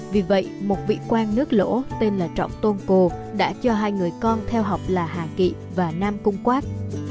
vì vậy một vị quan nước lỗ tên là trọng tôn cồ đã cho hai người con theo học là hà kỵ và nam cung quát